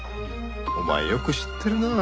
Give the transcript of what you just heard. お前よく知ってるなあ。